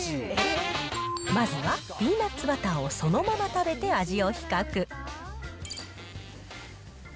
まずはピーナッツバターをそのまま食べて味を比較。